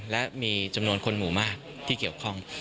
และมีจำนวนคนหมู่มากที่เกี่ยวข้อง